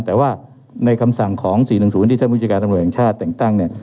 แต่ว่าในคำสั่งของสี่หนึ่งศูนย์ที่ท่านบุจจิการทำหน่วยแห่งชาติแต่งตั้งเนี่ย